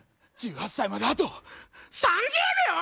１８歳まであと３０秒？